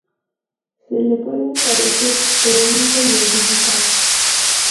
Se le pueden parecer, pero nunca identificar.